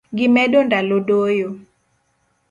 Gimedo ndalo doyo